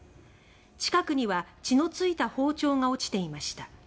近くには血の付いた包丁が落ちていました。